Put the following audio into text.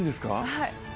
はい。